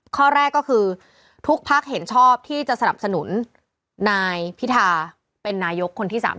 ข้อแรกก็คือทุกภักดิ์เห็นชอบที่จะสนับสนุนนายพิธาเป็นนายกคนที่๓๐